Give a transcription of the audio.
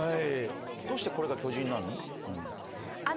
どうしてこれが巨人なの？